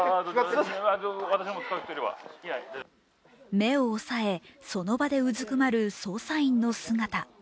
目を抑え、その場でうずくまる捜査員の姿。